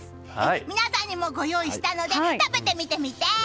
皆さんにもご用意したので食べてみてみて！